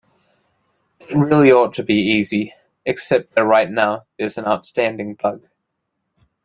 It really ought to be easy, except that right now there's an outstanding bug.